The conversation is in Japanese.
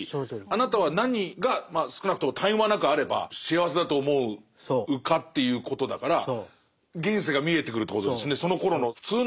あなたは何が少なくとも絶え間なくあれば幸せだと思うかっていうことだから現世が見えてくるってことですね。